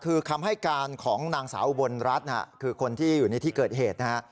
คือคำให้การของนางสาวอุบลรัฐคือคนที่อยู่ในที่เกิดเหตุนะฮะ